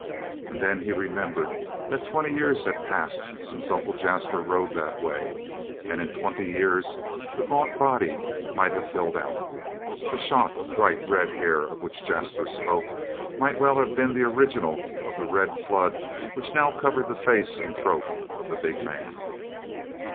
And then he remembered that twenty years had passed since Uncle Jasper rode that way, and in twenty years the gaunt body might have filled out, the shock of bright red hair of which Jasper spoke might well have been the original of the red flood which now covered the face and throat of the big man.